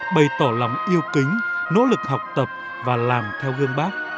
bày tỏ lòng yêu kính nỗ lực học tập và làm theo gương bác